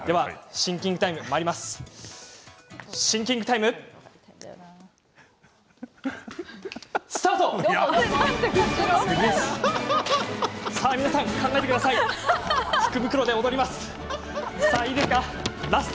シンキングタイムスタート！